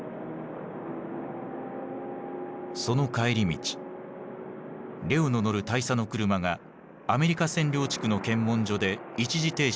その帰り道レオの乗る大佐の車がアメリカ占領地区の検問所で一時停止をせず通過。